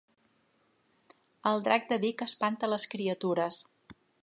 El drac de Vic espanta les criatures